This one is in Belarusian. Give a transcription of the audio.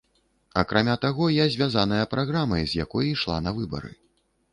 Акрамя таго, я звязаная праграмай, з якой ішла на выбары.